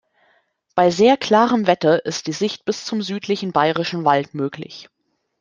Bei sehr klarem Wetter ist die Sicht bis zum südlichen Bayerischen Wald möglich.